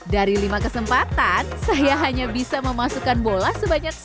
dari lima kesempatan saya hanya bisa memasukkan bola sebanyak